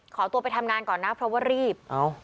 ขอตัวไปทำงานก่อนนะเพราะว่ารีบ